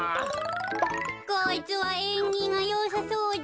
こいつはえんぎがよさそうだ。